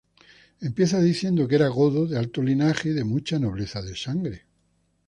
Empieza diciendo que era godo, de alto linaje y de mucha nobleza de sangre.